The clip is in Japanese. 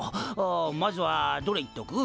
まずはどれいっとく？